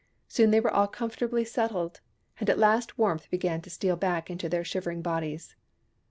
Soon they were all comfortably settled, and at last warmth began to steal back into their shivering bodies.